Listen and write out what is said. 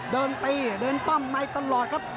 เดินตีเดินปั้มในตลอดครับ